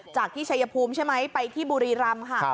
จากที่ชัยภูมิใช่ไหมไปที่บุรีรำค่ะ